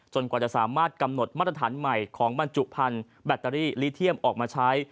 กว่าจะสามารถกำหนดมาตรฐานใหม่ของบรรจุพันธุ์แบตเตอรี่ลีเทียมออกมาใช้